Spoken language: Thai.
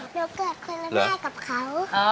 หนูเกิดคนแรกกับเขา